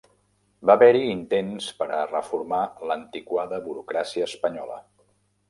Va haver-hi intents per a reformar l'antiquada burocràcia espanyola.